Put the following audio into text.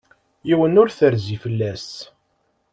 Yiwen ur terzi fell-as.